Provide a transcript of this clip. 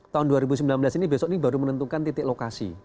tahun dua ribu sembilan belas ini besok ini baru menentukan titik lokasi